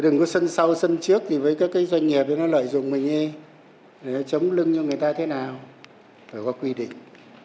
đừng có sân sau sân trước thì với các cái doanh nghiệp nó lợi dụng mình e để nó chống lưng cho người ta thế nào phải có quy định